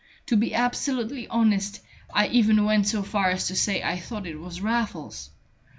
To be absolutely honest, I even went so far as to say I thought it was Raffles!"